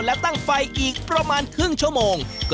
อันนี้เราก็ผัดค่ะ